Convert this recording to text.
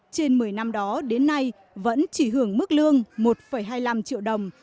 trên một mươi năm đó đến nay vẫn chỉ hưởng mức lương một hai mươi năm triệu đồng